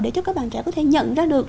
để cho các bạn trẻ có thể nhận ra được